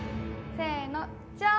せのじゃん！